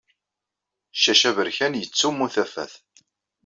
Ccac aberkan yettsummu tafat.